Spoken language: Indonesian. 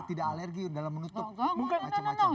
tidak alergi dalam menutup macam macam